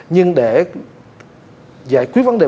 nhưng để giải quyết vấn đề